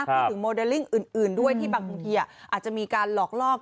โมเดลลิ่งอื่นด้วยที่บางทีอาจจะมีการหลอกลอก